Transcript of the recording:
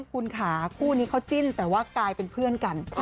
คุณค่ะคู่นี้เขาจิ้นแต่ว่ากลายเป็นเพื่อนกัน